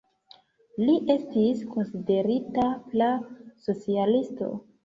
Li estis konsiderita pra-socialisto.